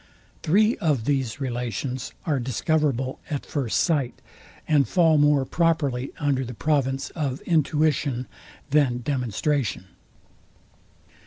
Three of these relations are discoverable at first sight, and fall more properly under the province of intuition than demonstration.